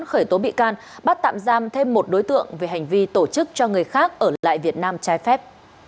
khởi tố bị can bắt tạm giam thêm một đối tượng về hành vi tổ chức cho người khác ở lại việt nam trái phép